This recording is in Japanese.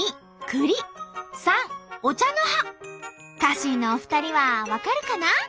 家臣のお二人は分かるかな？